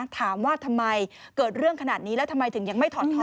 ถามว่าทำไมเกิดเรื่องขนาดนี้แล้วทำไมถึงยังไม่ถอดท่อ